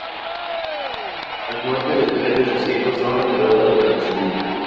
Las muertes de tres de sus hijos son recordadas durante su vida.